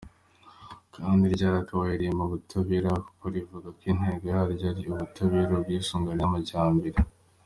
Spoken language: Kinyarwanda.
kandi ryakabaye rimpa ubutabera kuko rivuga ko intego yaryo ari Ubutabera, Ubwisungane, n’Amajyambere.